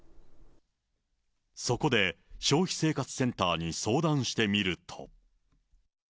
そこで、消費生活センターに相談してみると。